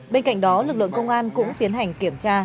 bên cạnh đó lực lượng công an cũng tiến hành kiểm tra